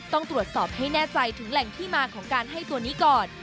ต้องตรวจสอบให้แน่ใจถึงแหล่งที่มาของการให้ตัวนี้ก่อน